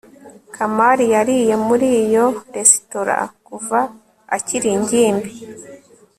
kamali yariye muri iyo resitora kuva akiri ingimbi